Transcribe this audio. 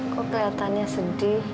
kok kelihatannya sedih